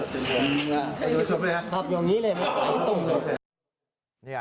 อยู่สวมเลยครับอยู่อย่างนี้เลย